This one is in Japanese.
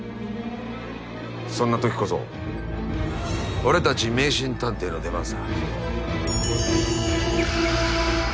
そんなときこそ俺たち迷信探偵の出番さ。